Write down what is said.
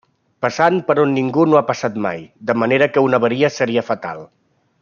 Passant per on ningú ha passat mai, de manera que una avaria seria fatal.